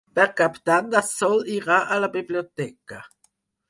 Per Cap d'Any na Sol irà a la biblioteca.